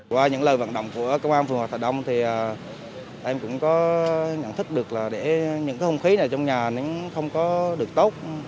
qua những lời vận động của công an phường hoạt động thì em cũng có nhận thức được là những cái không khí này trong nhà nó không có được tốt